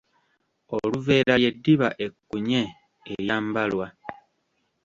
Oluveera ly’eddiba ekkunye eryambalwa.